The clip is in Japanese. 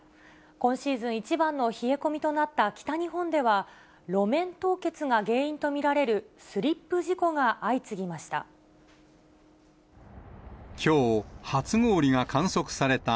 今シーズン一番の冷え込みとなった北日本では、路面凍結が原因と見られるスリップ事故が相次ぎました。